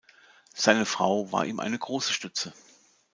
Seine Frau war ihm eine große Stütze.